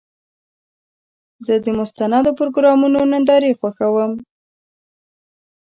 زه د مستندو پروګرامونو نندارې خوښوم.